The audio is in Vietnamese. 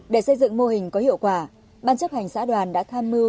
để xây dựng mô hình có hiệu quả ban chấp hành xã đoàn đã tham mưu